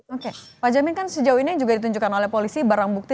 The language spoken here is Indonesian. oke pak jamin kan sejauh ini yang juga ditunjukkan oleh polisi barang bukti